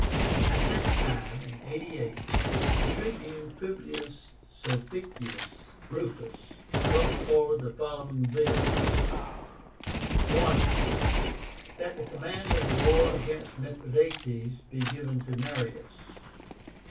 At this time (88) the TRIBUNE PUBLIUS SULPICIUS RUFUS brought forward the following bills: 1. That the command of the war against Mithradátes be given to Marius.